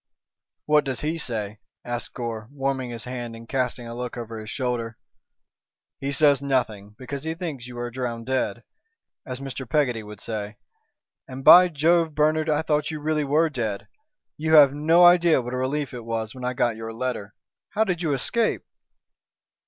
"What does he say?" asked Gore, warming his hand and casting a look over his shoulder. "He says nothing, because he thinks you are drown dead, as Mr. Peggotty would say. And, by Jove! Bernard, I thought you really were dead. You have no idea what a relief it was when I got your letter. How did you escape?"